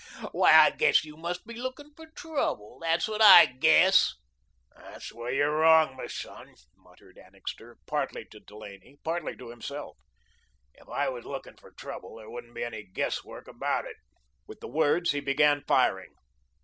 Why, I guess you must be looking for trouble; that's what I guess." "There's where you're wrong, m'son," muttered Annixter, partly to Delaney, partly to himself. "If I was looking for trouble there wouldn't be any guess work about it." With the words he began firing.